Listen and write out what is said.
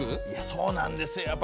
いやそうなんですよ。